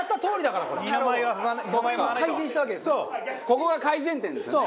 ここが改善点ですよね。